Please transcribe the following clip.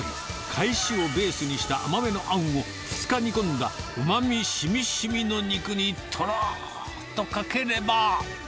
かえしをベースにした甘めのあんを２日煮込んだうまみしみしみの肉にとろーっとかければ。